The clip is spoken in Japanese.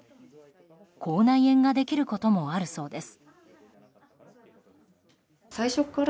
口内炎ができることもあるそうです。